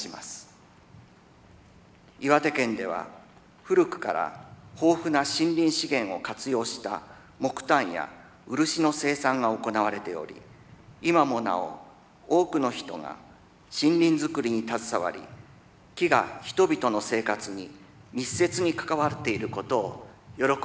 岩手県では古くから豊富な森林資源を活用した木炭や漆の生産が行われており今もなお多くの人が森林づくりに携わり木が人々の生活に密接に関わっていることを喜ばしく思います。